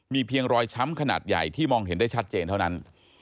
เพียงรอยช้ำขนาดใหญ่ที่มองเห็นได้ชัดเจนเท่านั้น